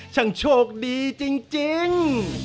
ช่างโชคดีจริง